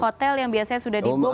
hotel yang biasanya sudah di mall